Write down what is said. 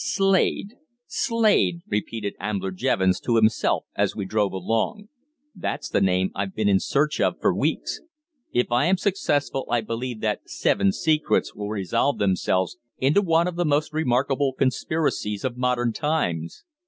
"Slade! Slade!" repeated Ambler Jevons to himself as we drove along. "That's the name I've been in search of for weeks. If I am successful I believe the Seven Secrets will resolve themselves into one of the most remarkable conspiracies of modern times.